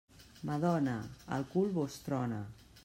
Madona, el cul vos trona.